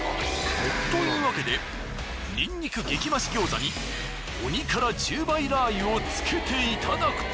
というわけでにんにく激増し餃子に鬼辛１０倍ラー油をつけていただくと。